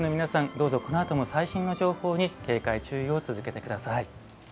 どうぞこのあとも最新の情報に警戒、注意を続けてください。